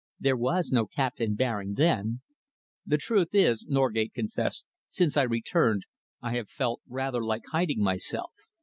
There was no Captain Baring then." "The truth is," Norgate confessed, "since I returned, I have felt rather like hiding myself.